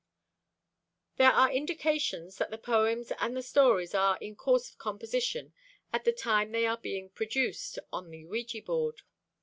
There are indications that the poems and the stories are in course of composition at the time they are being produced on the ouija board.